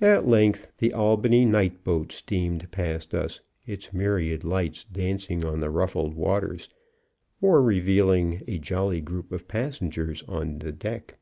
At length, the Albany night boat steamed past us, its myriad lights dancing on the ruffled waters, or revealing a jolly group of passengers on deck.